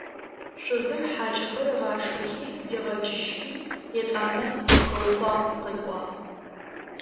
Шъузым хьакӏэхэр ыгъашхэхи, дигъэкӏыжьхи, етӏанэ «ухэукъуагъ!» къыриӏуагъ.